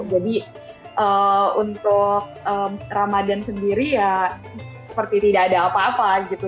jadi untuk ramadan sendiri ya seperti tidak ada apa apa gitu